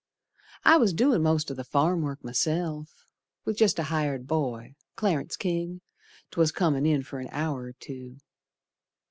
I was doin' most o' th' farmwork myself, With jest a hired boy, Clarence King, 'twas, Comin' in fer an hour or two.